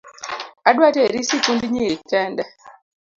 Adwa teri sikund nyiri kende